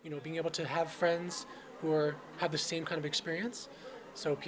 mencapai teman yang punya pengalaman yang sama